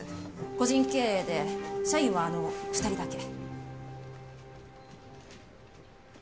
個人経営で社員はあの２人だけ。